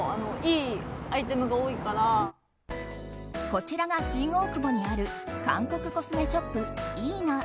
こちらが新大久保にある韓国コスメショップＥｅＮＡ。